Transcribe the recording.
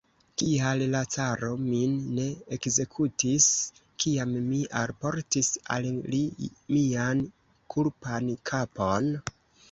Kial la caro min ne ekzekutis, kiam mi alportis al li mian kulpan kapon?